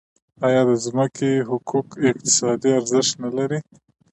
آیا د ځمکې حقوق اقتصادي ارزښت نلري؟